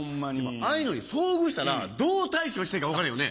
ああいうのに遭遇したらどう対処していいか分からへんよね。